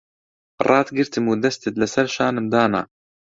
ڕاتگرتم و دەستت لەسەر شانم دانا...